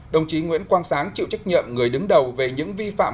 đồng chí nguyễn quang sáng chịu trách nhiệm người đứng đầu về những vi phạm